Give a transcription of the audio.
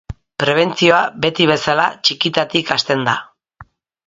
Prebentzioa, beti bezala, txikitatik hasten da.